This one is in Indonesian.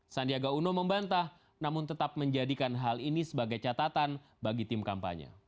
sandiaga uno membantah namun tetap menjadikan hal ini sebagai catatan bagi tim kampanye